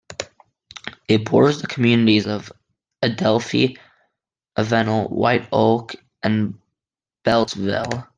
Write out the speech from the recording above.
It borders the communities of Adelphi, Avenel, White Oak, and Beltsville.